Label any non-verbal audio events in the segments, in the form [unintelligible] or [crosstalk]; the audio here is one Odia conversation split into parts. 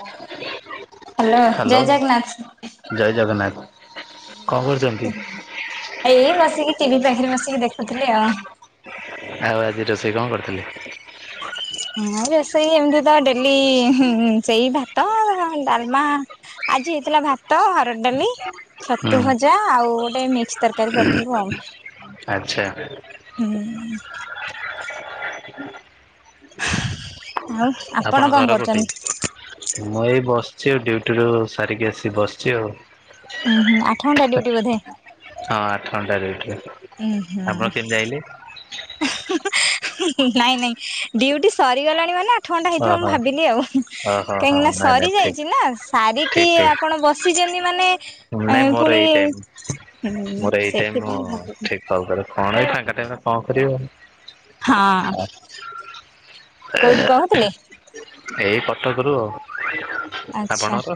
[inaudible] ହ୍ୟାଲୋ ଜୟ ଜଗନ୍ନାଥ। ଜୟ ଜଗନ୍ନାଥ। କଣ କରୁଛନ୍ତି। ଏଇ ବସିକି ଟିଭି ପାଖରେ ବସିକି ଦେଖୁଥିଲି ଆଉ। ଆଉ ଆଜି ରୋଷେଇ କଣ କରିଥିଲେ। [inaudible] ହଁ ଏ ରୋଷେଇ ଏମତି ତ ଡେଲି ସେଇ ଭାତ ଡାଲମା ଆଜି ହେଇଥିଲା ଭାତ ହରଡ ଡାଲି ହୁଁ ଛତୁ ଭଜା ଆଉ ଗୋଟେ ମିକ୍ସ ତରକାରୀ କରିଥିଲୁ ଆଉ। ଆଚ୍ଛା। ହୁଁ। ଆଉ ଆପଣ କଣ ଘର କୋଠି। କରୁଛନ୍ତି? ମୁଁ ଏଇ ବସିଛି ଡିଟୁରୁୁ ସାରିକି ଆସିି ବସିଛି ଆଉ। ହୁଁ ହୁ ଆଠ ଘଣ୍ଟା ଡିଉଟି ବୋଧେ। ହଁ ଆଠ ଘଣ୍ଟା ଡିଉଟି। ଉୁଁ ହୁଁ। ନାଇଁ ନାଇଁ ଡିୟୁଟି ସରିଗଲାଣି ମାନେ ଆଠଣ୍ଟା ହେଇଥିବ ମୁଁ ଓହୋ ଭାବିଲି ଆଉ ଓହୋ କାହିଁକି ହୋ ନା ନାଇଁ ନାଇଁ ଠିକ ସରିଯାଇଛି ନା ସାରିକି ଠିକ ଠିକ ଆପଣ ବସ୍ ସିଛନ୍ତି ମାନେ ନାଇଁ ମୋର ପୁଣି ଏଇ ଟାଇମ ହ ସେଥିପାଇଁ ଭାବିଲି। ହଉ ତାଲେ କଣ ଏଇ ଫାଙ୍କା ଟାଇମ୍ ରେ କଣ କରିବ। ହଁ କୋଉଠୁ କହ। ଏଇ କଟକରୁ ଆଉ। ଆଚ୍ଛା ଆପଣର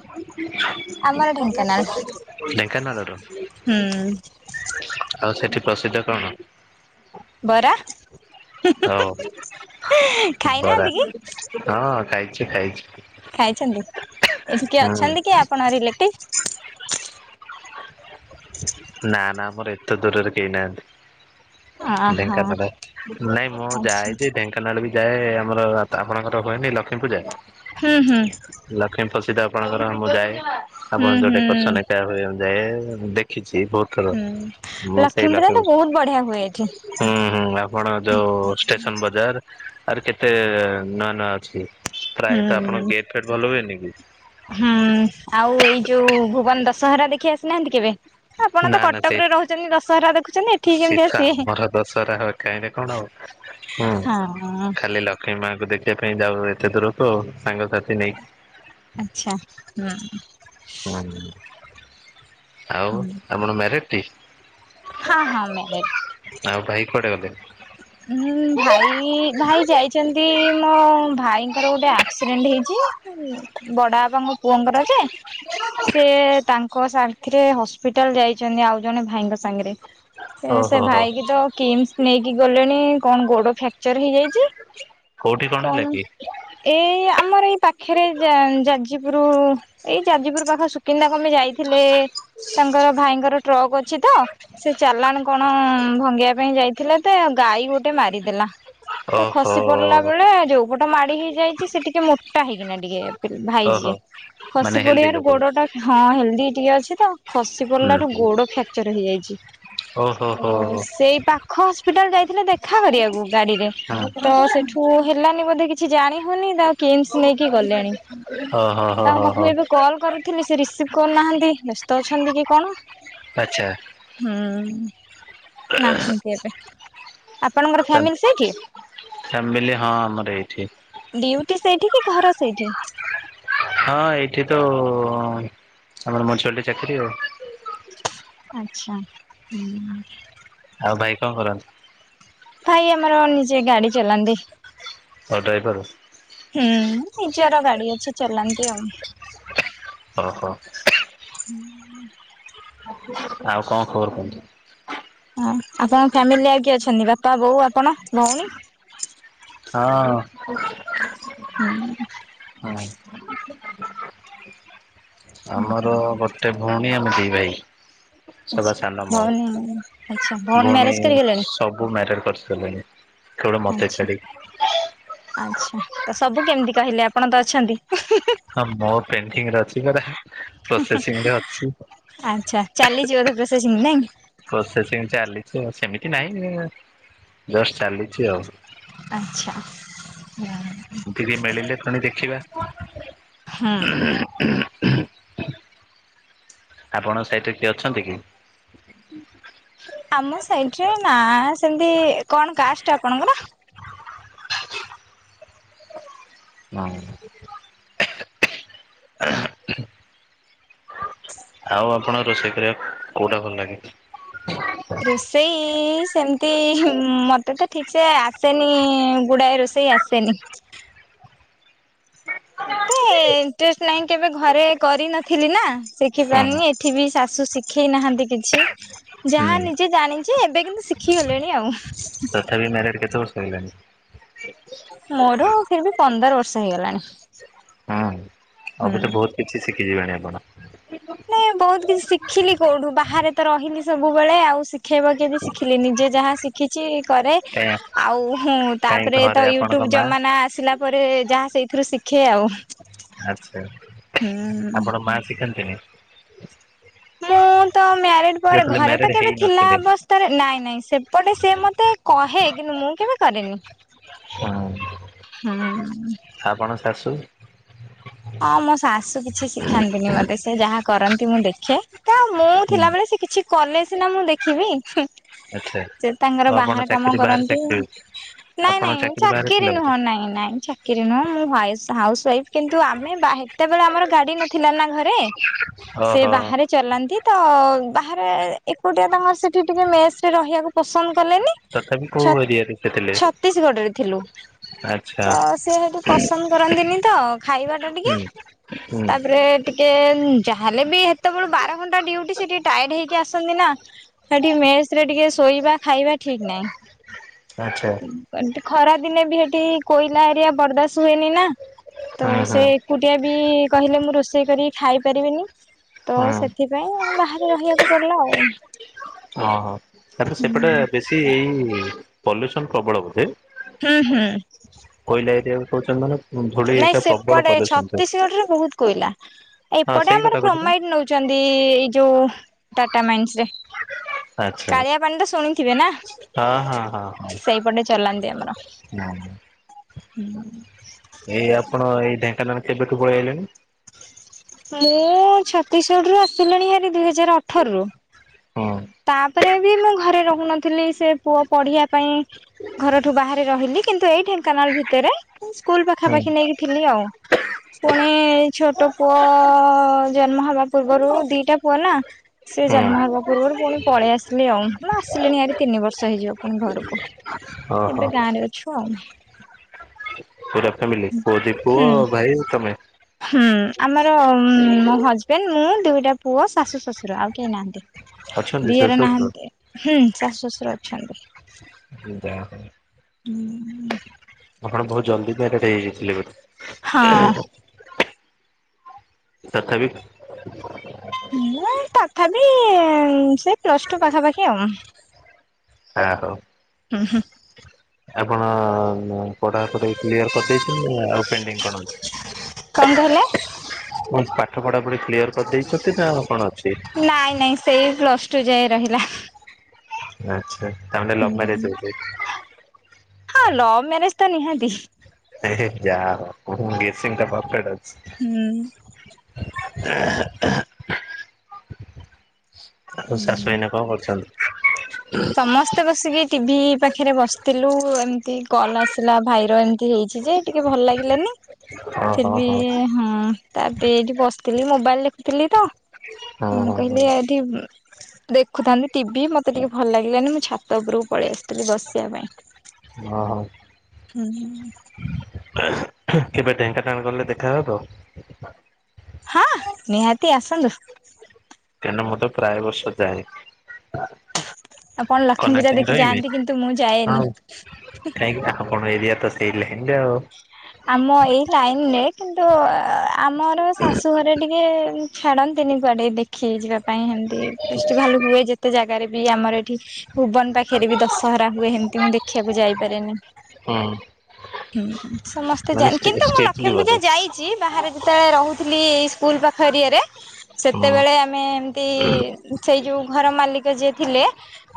ଆମର ଢେଙ୍କାନାଳ ଢେଙ୍କାନାଳ ର। ହୁଁ। ଆଉ ସେଠି ପ୍ରସିଦ୍ଧ କଣ। ବରା। ହଉ ବରା ଖାଇନାହାନ୍ତି କି? ହଁ ଖାଇଛି ଖାଇଛି। ଖାଇଛନ୍ତି ଏଠି କେ ହୁଁ ଅଛନ୍ତି କି ଆପଣ ରିଲେଟିଭ। ନା ନା ଆମର ଏତେ ଦୂରରେ କେହି ନାହାନ୍ତି। ଅହୋ ଢେଙ୍କାନାଳ ନାଇଁ ମୁଁ ଆଚ୍ଛା। ଯାଏଯେ ଢେଙ୍କ ଙ୍କାନାଳ ବି ଯାଏ ଆମର ଆପଣଙ୍କର ହୁଏନି ଲକ୍ଷ୍ମୀପୂଜା। ହୁଁ ହୁଁ। ଲକ୍ଷ୍ମୀ ପ୍ରସିଦ୍ଧ ଆପଣଙ୍କର ମୁଁ ଯାଏ ଆପଣ ହୁଁ ଯୋଉ ହୁଁ ଡେକର୍ସନ ନଟା ହୁଏ ମୁଁ ଯାଏ ଦେଖ ଖିଚି ଭ ହୁଁ। ମୁଁ ସେଇ ଲକ୍ଷ୍ମୀ ପୂଜା ଲଖ ତ ବହୁତ ବଢିଆ ହୁଏ ଏଠି ହୁଁ ହୁଁ ଆପଣ ଯୋଉ ଷ୍ଟେସନ ବଜାର। ଆର କେତେ ନୂଆ ନୂଆ ଅଛି ପ୍ରାୟତଃ ହୁଁ। ଆପଣଙ୍କ ଗେଟ ଫେଟ୍ ଭଲ ହୁଏନି କି। ହୁଁ ଆଉ ଏଇ ଯୋଉ ଭୁବନ ଦଶହରା ଦେଖି ଆସିନାହାନ୍ତି କେବେ? ଆପଣ ନା ତ ନା କଟକରେ ସେଇଠି ରହୁଛନ୍ତି ଦଶହରା ଦେଖୁଛନ୍ତି ଏଠିକି କେମିତି ଆସିବେ? କାହିଁକି କଣ ହଉ ହୁଁ ହଁ ଖାଲି ଲକ୍ କ ମାଆଙ୍କୁ ଦେଖିବା ପାଇଁ ଯାଉ ଏତେ ଦୂରକୁ ସାଙ୍ଗସାଥି ନେଇକି ଆଛା ହୁଁ। ହଁ ଆଉ ହୁଁ ଆମର ମ୍ୟାରେଜଟି। ହଁ ହଁ ମ୍ୟାରେଜ୍ ଆଉ ଭାଇ କୁଆଡେ ଗଲେ? ହୁଁ ଭାଇ ଭାଇ ଯାଇଛନ୍ତି ମୋ ଭାଇଙ୍କର ଗୋଟେ ଆକ୍ସିଡେଣ୍ଟ ହେଇଛି। ବଡ ବାପାଙ୍କ ପୁଅଙ୍କର ଯେ ସିଏ ତାଙ୍କ ସାଥିରେ ହସ୍ପିଟାଲ ଯାଇଛନ୍ତି ଆଉ ଜଣେ ଭାଇଙ୍କ ସାଙ୍ଗରେ। ସେ ଓହୋ ହୋ ଭାଇ କିି ତ କିମ୍ସ ନେଇକି ଗଲେଣି କଣ ଗୋଡ ଫ୍ରାକ୍ଚର ହେଇଯାଇଛି? କୋଉଠି ହେଲା କଣ? କି? ଏଇ ଆମର ଏଇ ପାଖରେ ଯାଜପୁର ଏଇ ଯାଜପୁର ପାଖ କିନ୍ଦା କଣପାଇଁ ଯାଇଥିଲେ? ତାଙ୍କର ଭାଇଙ୍କର ଟ୍ରକ୍ ଅଛି ତ ସେ ଚାଲାଣ କଣ ଭଙ୍ଗେଇବା ପାଇଁ ଯାଇ ଥିଲା ତ ଗାଈ ଗୋଟେ ମାରିଦେଲା ତ ଓହୋ ଖସି ପଡିଲା ବେଳେ ଯୋଉ ଓଭ ତ ମାଡି ହେଇଯାଇଛି ସେ ଟିକେ ମୋଟା ହେଇକିନା ଟିକେ ଓହୋ ଭାଇଯିଏ। ମାନେ ଖସି ହେଲ୍ଦି ପଡ଼ିବାରୁ ଲୋକ ଗୋଡ଼ଟା ହଁ ହେଲ୍ଦି ଟିକେ ଅଛି ତ ଖସି ପଡ଼ିଲାରୁ ଗୋଡ଼ ଫ୍ରାକ୍ଚର ହେଇଯାଇଛି। ଓ ହୋ ତ ହୋ। ସେଇ ପାଖ ହସ୍ପିଟାଲ ଯାଇଥିଲେ ଦେଖା କରିବାକୁ ଗାଡିରେ ତ ସେଠୁ ହେଲାନି ବୋଧେ କିଛି ଜାଣି ହଉନି। କିମ୍ସ ନେଇକି ଗଲେଣି? ଅ ହ। ତାଙ୍କ ପାଖକୁ ଏବେ କଲ୍ କରୁଥିଲି ସେ ରିସିଭ କରୁନାହାନ୍ତି ବ୍ୟସ୍ତ ଅଛନ୍ତି କି କଣ? ଆଛା। ହୁଁ ନାହାନ୍ତି ଏବେ। ଆପଣଙ୍କର ଫ୍ୟାମିଲି ସେଇଠି? ଫ୍ୟାମିଲି ହଁ ଆମର ଏଇଠି ଡିଉଟି ସେଇଠି କି ଘର ସେଇଠି? ହଁ ଏଇଠି ତ ଆମର ମଞ୍ଚିଲ ଚାକିରି ଆଉ ଆଛା ହୁଁ। ଆଉ ଭାଇ କଣ କରନ୍ତି? ଭାଇ ଆମର ନିଜେ ଗାଡି ଚଲାନ୍ତି। କଣ ଡ୍ରାଇଭର? ହୁଁ ନିଜର ଗାଡି ଅଛି ଚଲାନ୍ତି ଆଉ ଅ ହ। ହୁଁ। ଆଉ କଣ ଖବର କୁହନ୍ତୁ? ହଁ ଆପଣଙ୍କ ଫ୍ୟାମିଲିରେ ଆଉ କିଏ ଅଛନ୍ତି ବାପା ବୋଉ ଆପଣ ଭଉଣୀ ହଁ। ହୁଁ। ହୁଁ ଆମର ଗଟେ ଗୋଟେ ଭଉଣୀ ଆମେ ଦିଭାଇ ସବା ଆଚ୍ଛା ସାନ ମୁଁ ଭଉଣୀ ଆଚ୍ଛା ଭଉଣୀ ପୁଣି ମ୍ୟାରେଜ କରିଗଲେଣି? ସବୁ ମ୍ୟାରେଡ କରିସାଲେଣି କେବଳ ମତେ ଆଚ୍ଛା ଛାଡିକି ଆଚ୍ଛା ତ ସବୁ କେମିତି କହିଲେ ଆପଣତ ଅଛନ୍ତି? ହଁ ମୋର ପେଣ୍ଡିଙ୍ଗରେ ଅଛି ଏବେ ପ୍ରୋସେସିଂରେ ଅଛି। ଆଚ୍ଛା ଚାଲିଛି ବୋଧେ ପ୍ରସେସିଂ ନାଇଁ ପ୍ରୋସେସିଂ ଚାଲିଛି ଅଛି କି ନାଇଁ ସେମିତି ନାହିଁ ଜଷ୍ଟ ଚାଲିଛି ଆଉ ଆଚ୍ଛା। ଧିରି ମିଳିଲେ ପୁଣି ଦେଖିବା ହଁ, ଆପଣଙ୍କ ସାଇଟିରେ କିଏ ଅଛନ୍ତିକି ଆମ ସାଇଟରେ ନା ସେମିତି କଣ କାଷ୍ଟ ଆପଣଙ୍କର? ହୁଁ, [unintelligible] ଏହେ ଆଉ ଆପଣ ରୋଷେଇ କରିବାକୁ କୋଉଟା ଭଲ ଲାଗେ ରୋଷେଇ ସେମିତି ହିଁ ମତେତ ଠିକ ସେ ଆସେନି ଗୁଡାଏ ରୋଷେଇ ଆସେ ସେନି [unintelligible] ଇଣ୍ଟେଷ୍ଟ ନାହିଁ କେବେ ଘରେ କରିନଥିଲି ନା ହୁଁ ଶିଖିପାରିନି ଏଠିବି ଶାଶୁ ଶିଖ ଶିଖେଇ ନାହାନ୍ତି କିଛି ହୁଁ ଯାହା ନିଜେ ଜାଣିଚି ଏବେ କିନ୍ତୁ ଶିଖିଗଲେଣି ଆଉ ତଥାପି ମ୍ୟାରେଡ କେତେ ବର୍ଷ ହେଲାଣି? ମୋର ଫିରବି ପନ୍ଦର ବର୍ଷ ହେଇଗଲାଣି ହୁଁ ହୁଁ। ଅବେତ ବହୁତ କିଛି ଶିଖିଯିବେଣି ଆପଣ ନାଇଁ ବହୁତ କିଛି ଶିଖିଲି କୋଉଠୁ ବାହାରେତ ରହିଲି ସବୁବେଳେ ଆଉ ଶିଖେଇବ କିଏ ଯେ ଶିଖିଲି ନିଜେ ଯାହା ସିଖ କିଛି କରେ କାଇଁ ଆଉ ହୁଁ କାହିଁ ଘରେ ତାପରେତ ଆପଣଙ୍କ ୟୁଟ୍ୟୁବ ମା ଜମାନା ଆସିଲା ପରେ ଯାହା ସେଇଥିରୁ ଶିଖେ ଆଉ ଆଛା ହୁଁ ଆପଣ ମା ଶିଖାନ୍ତିନି ମୁଁ ତ ମ୍ୟାରେଡ ପରେ ଯେତେବେଳେ ଘରେତ ମ୍ୟାରେଡ କେବେ ଥିଲା ହେଇନଥିଲେ ଅବସ୍ଥ ତରେ ନାଇଁ ନାଇଁ ସେପଟେ ସେ ମତେ କହେ କିନ୍ତୁ ମୁଁ କେବେ କରେନି ହୁଁ, ହାପଣ ଶାଶୁ ହଁ ମୋ ଶାଶୁ କିଛି ଶିଖାନ୍ତିନି ମତେ ସେ ଯାହା କରନ୍ତି ମୁଁ ଦେଖେ ତା ମୁଁ ହୁଁ ଥିଲାବେଳେ ସେ କିଛି କଲେ ସିନା ମୁଁ ଦେଖିବି। ହୁ ଆଚ୍ଛା। ସେ ତାଙ୍କର ଆଉ ଆପଣ ବାହାର କାମ ଚାକିରି ବାହାରେ କରନ୍ତି। ଚାକିରି ନାଇଁ ଆପଣ ନାଇଁ ବାହାରେ ଚାକିରି ଥିଲା ବୋଧେ ନୁହଁ ନାଇଁ ନାଇଁ ଚା କିରି ନୁହଁ ମୁଁ ହୁଆଉସ ହାଉସ୍ ୱାଇଫି କିନ୍ତୁ ଆମେ ବା ହେତେବେଳେ ଆମର ଗାଡି ନଥିଲାନା ଘରେ ସେ ଓହୋ। ବାହାରେ ଚଲାନ୍ତି ତ ବାହାରେ ଏକୁଟିଆ ତାଙ୍କର ସେଠି ଟିକେ ମେସରେ ରହିବାକୁ ପସନ୍ଦ କଲେନି ତଥାପି କୋଉ ଛତ୍ ଏରିଆରେ ସେ ଥିଲେ ଛତିଶଗଡରେ ଥିଲୁ। ତ ଆଚ୍ଛା ସେ ସେଠିକି ପସନ୍ଦ କରନ୍ତିନିତ ଖାଇବାଟା ଟିକେ ହୁଁ ହୁଁ ତାପ ସେ ଟିକେ ଯାହେଲେବି ହେତେବେଳୁ ବାରଘଣ୍ଟା ଡ୍ୟୁଟି ସେ ଟିକେ ଟାୟେଡ ହେଇକି ଆସନ୍ତିନା ସେଠି ମେସରେ ଟିକେ ଶୋଇବା ଖାଇବା ଠିକ ନାହିଁ। ଆଚ୍ଛା। ଖରା ଦିନେବି ହେଠି କୋଇଲା ହେରିଆ ବରଦାସ ହୁଏନିନା ତ ହୁଁ ହୁଁ ସେ ଏକୁଟିଆ ବି କହିଲେ ମୁଁ ରୋଷେଇ କରିକି ଖାଇ ପାରିବିନି। ତ ହୁଁ ସେଥିପାଇଁ ବାହାରେ ରହିବାକୁ ପଡିଲା ଆଉ। ହଁ ହଁ ତାପର ସେପଟେ ବେଶୀ ଏଇ ପଲ୍ୟୁସନ ପ୍ରବଳ ବଧେ। ହୁଁ ହୁଁ। କୋଇଲା ଏରିଆକୁ କହୁଛନ୍ତି ମାନେ। ଧୂଳି ନାଇଁ ଏଟା ପ୍ରବଳ ସେପଟେ ପଲ୍ୟୁସନ ଥାଏ। ଛତିଶଗଡ ରେ ବହୁତ କୋଇଲା ହଁ ଏପଟେ ସେଇ କଥା ଆମର କହୁଛି ପା କ୍ରୋମାଇଡ ନଉ ଛନ୍ତି ଏଇ ଯୋଉ ଟାଟା ମାଇନ୍ସ ରେ। ଆଚ୍ଛା କାଳିଆ ପାଣି ତ ଶୁଣିଥିବେ ନା ହଁ ସେଇପଟେ ଚଲାନ୍ତି ଆମର। ନା ନା। ହୁଁ। ଏଇ ଆପଣ ଏଇ ଢେଙ୍କାନାଳ କେବେଠୁ ପଳେଇ ଆଇଲେଣି? ମୁଁ ଛତିଶଗଡ଼ରୁୁ ଆସିଲିଣି ହେରି ଦୁଇ ହଜାର ଅଠର ରୁ। ହଁ। ତାପରେ ବି ମୁଁ ଘରେ ରହୁନଥିଲି ସେ ପୁଅ ପଢିବା ପାଇଁ। ଘରଠୁ ବାହାରେ ରହିଲି କିନ୍ତୁ ଏଇ ଢେଙ୍କାନାଳ ଭିତରେ ସ୍କୁଲ ହୁଁ ପାଖାପାଖି ନେଇକି ଥିଲି ଆଉ। ପୁଣି ଛୋଟ ପୁଅ ଜନ୍ମ ହେବା ପୂର୍ବରୁ ଦିଟା ପୁଅ ନା। ସେ ହୁଁ। ଜନ୍ମ ହେବା ପୂର୍ବରୁ ପୁଣି ପଳେଇ ଆସିଲି ଆଉ ମୁ ଆସିଲିଣି ଆରି ତିନି ବର୍ଷ ହେଇଯିବ ପୁଣି ଘରକୁ ଓହୋ ଏବେ ଗାଁରେ ଅ ଛୁ ଆଉ। ପୁରା ଫ୍ୟାମିଲି ପୁଅ ଟି ପୁଅ ହୁଁ ଭାଇ ତମେ। ହୁଁ ଆମର ମୋ ହଜବେଣ୍ଡ ମୁଁ ଦୁଇଟା ପୁଅ ଶାଶୁ ଶଶୁର ଆଉ କେହି ନାହାନ୍ତି। ଅଛନ୍ତି ଦିଅର ଶାଶୁ ଶ୍ୱଶୁର? ନାହାନ୍ତି ହୁଁ ଶାଶୁ ଶଶୁର ଅଛନ୍ତି। ଯାହା ହଉ। ହୁଁଁ। ଆପଣ ବହୁତ ଜଲଦି ମ୍ୟାରେଡ୍ ହେଇଯାଇଥିଲେ ବଧେ। ହଁ। ତଥାପି। ମୁଁ ତଥାପି ସେ ପ୍ଲସ ଟୁ ପାଖାପାଖି ଆଉ। ଯା ହଉ। ହୁଁ ହୁଁ। ଆପଣ ପଢାପଢୀ କ୍ଲିୟର କରିଦେଇଛନ୍ତି ନା ଆଉ ପେଣ୍ଡିଂ କଣ ଅଛି? କଣ କହିଲେ? ପୁଣି ପାଠ ପଢା ପଢି କ୍ଲିୟର କରିଦେଇଛନ୍ତି ନା ଆଉ କଣ ଅଛି? ନାଇଁ ନାଇଁ। ସେଇ ପ୍ଲସ୍ ଟୁ ଯାଏ ରହିଲା। ଆଚ୍ଛା ତାମାନେ ଲଭ ହୁଁ ମ୍ୟାରେଜ ବୋଧେ। ହଁ ଲଭ୍ ମ୍ୟାରେଜ ତ ନିହାତି। ଏ ହେ ଯାହା ହଉ ମୋ ଗେଶୀଙ୍ଗ୍ ଟା ପରଫେକ୍ଟ ଅଛି। ହୁଁ। ଆଉ ଶାଶୁ ଏଇନା କଣ କରୁଛନ୍ତି? ସମସ୍ତେ ବସିକି ଟିଭି ପାଖେରେ ବସିଥିଲୁ ଏମିତି କଲ୍ ଆସିଲା ଭାଇର ଏମିତି ହେଇଛି ଯେ ଟିକେ ଭଲ ଲାଗିଲାନି। ହଁ ଫିର୍ ହଁ ବି ହଁ ତାପରେ ଏଇଠି ବସିଥିଲି ମୋବାଇଲ ଦେଖୁଥିଲି ତ। ହଁ ମୁଁ ହଁ ହଁ କହିଲି ଏଠି ଉଁ ଦେଖୁଥାନ୍ତି ଟିଭି ମତେ ଟିକେ ଭଲ ଲାଗିଲାନି ମୁଁ ଛାତ ଉପରକୁ ପଳେଇ ଆସିଥିଲି ବସିବା ପାଇଁ। ଅ ହ। ହୁଁ। କେବେ ଢେଙ୍କାନାଳ ଗଲେ ଦେଖାହେବ ତ? ହଁ ନିହାତି ଆସନ୍ତୁ। କାରଣ ମୁଁ ତ ପ୍ରାୟ ବର୍ଷ ଯାଏ। ଆପଣ ଲକ୍ଷ୍ମୀ ପୂଜା କନେକ୍ଟିଙ୍ଗ୍ ଦେଖି ରହିବି ଯାଆନ୍ତି କିନ୍ତୁ ମୁଁ କାହିଁକି ଯାଏନି। ନା ଆପଣ ଏରିଆ ତ ସେଇଲେ ଲାଙ୍ଗେ ଆଉ। ହଁ। ଆମ ଏଇ ଲାଇନ ରେ କିନ୍ତୁ ଆମର ଶାଶୁ ଘରେ ଟିକେ ଛାଡ଼ନ୍ତିନି କୁଆଡେ ଦେ ଖିଯିବା ପାଇଁ ଏମିତି ଫେଷ୍ଟିଭାଲ ହୁଏ ଯେତେ ଜାଗାରେ ବି ଆମର ଏଠି। ଭୁବନ ପାଖରେ ବି ଦଶହରା ହୁଏ ହେମତି ମୁଁ ଦେଖିବାକୁ ଯାଇପାରେନି। ହଁ। ହୁଁ ସମସ୍ତେ ଜାଆ କିନ୍ତୁ ମୁଁ ଷ୍ଟ୍ରିଟଲି ଲକ୍ଷ୍ମୀ ପୂଜା ବୋଧେ ଯାଇ ଚି ବାହାରେ ଯେତେବେଳେ ରହୁଥିଲି ଏ ସ୍କୁଲ ପାଖ ଏରିଆ ରେ ହୁଁ ସେତେବେଳେ ଆମେ ତି ସେଇ ଯୋଉ ଘର ମାଲିକ ଯିଏ ଥିଲେ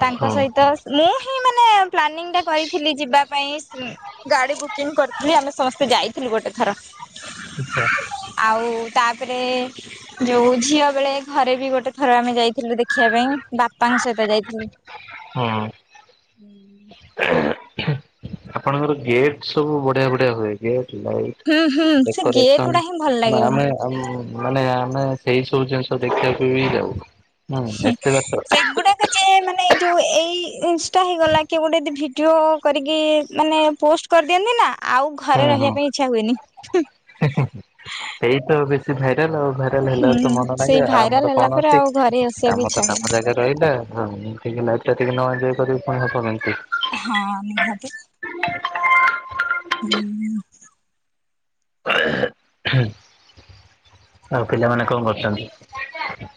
ତାଙ୍କ ହୁଁ। ସହିତ ମୁଁ ହିଁ ମାନେ ପ୍ଲାନିଂ ଟା କରିଥିଲି ଯିବା ପାଇଁ ଗାଡି ବୁକ୍ କିଂ କରିଥିଲି ଆମେ ସମସ୍ତେ ଯାଇଥିଲୁ ଗୋଟେ ଥର। ଆଛା ଆଉ ତାପରେ। ଯୋଉ ଝିଅ ବେଳେ ଘରେ ବି ଗୋଟେ ଥର ଆମେ ଯାଇଥିଲୁ ଦେଖିବା ପାଇଁ ବାପାଙ୍କ ସହିତ ଯାଇଥିନି। ହଁ ତାଙ୍କର ଗେଟ୍ ସବୁ ବଢିଆ ବଢିଆ ହୁଏ ଗେଟ୍ ଲାଇଟ୍। ହୁଁ ହୁଁ, ସେ ଗେଟ୍ ଗୁଡା ହିଁ ଭଲ ଲାଗେ। ଆମ୍ ମାନେ ଆମେ ସେଇ ସବୁ ଜିନିଷ ଦେଖିବାକୁ ବି ଯାଉ, ହୁଁ ଏତେ ବାଟ। ସେଗୁଡାକ ଯେ ମାନେ ଏଇ ଯୋଉ ଏଇ ଇନ୍ସଟା ହେଇଗଲା କି ଗୋଟେ ଯଦି ଭିଡିଓ କରିକି ମାନେ ପୋଷ୍ଟ୍। କରିଦିଅନ୍ତି ନା, ଆଉ ଘରେ ହୁଁ ରହିବା ହୁଁ। ପାଇଁ ଇଚ୍ଛା ହୁଏନି। ସେଇ ତ ବେଶୀ ଭାଇରାଲ ଆଉ ଭା [unintelligible] ହେଲେ ତ ହୁଁ ମନ ନାହିଁ ସେଇ ଯେ, ଭାଇରାଲ ଆମର ହେଲା କଣ ପରେ ଅଛି, ଆଉ ଘରେ ଆସିବାକୁ କାମ ଇଚ୍ଛା ତ କାମ ହୁଏନି। ଜାଗାରେ। ଏଇଟା ଟିକେ ଲାଇଟଟା ଟିକେ ନହେଲେ ଏ କରିବୁ [unintelligible] କେମିତି। ହଁ, ନିହାତି। ହୁଁ-ଉଁ-ଉଁ। ଆଉ ପିଲାମାନେ କଣ କରୁଛନ୍ତି?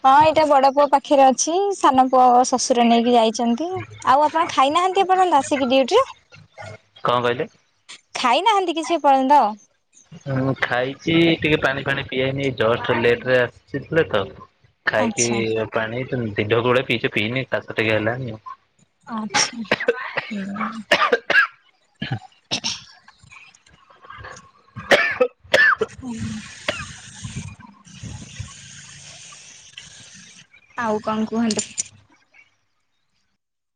ହଁ ଏଇଟା ବଡ ପୁଅ ପାଖରେ ଅଛି ସାନ ପୁଅ ଶଶୁର ନେଇକି ଯାଇଛନ୍ତି। ଆଉ ଆପଣ ଖାଇନାହାନ୍ତି ଏପର୍ଯ୍ୟନ୍ତ ଆସିକି ଡ୍ୟୁଟି? କଣ କହିଲେ? ଖାଇନାହାନ୍ତି କିଛି ଏପର୍ଯ୍ୟନ୍ତ? ହଁ ଖାଇଛି ଟିକେ ପାଣିଫାଣି ପିଆ ହେଇନି ଏଇ ଜଷ୍ଟ ଲେଟରେ ଆସିଥିଲେ ତ। ଖାଇକି ଆଚ୍ଛା। ପାଣି ଦି ଢୋକ ଭଳିଆ ପିଇଛି, ପିଇନି କାଶ ଟିକେ ହେଲାନି ଆଉ। ଆଚ୍ଛା ହୁଁ। ଉଁ। ଆଉ କଣ କୁହନ୍ତୁ?